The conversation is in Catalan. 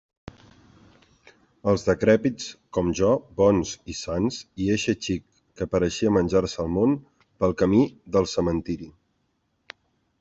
Els decrèpits com jo, bons i sans, i eixe xic que pareixia menjar-se el món, pel camí del cementiri.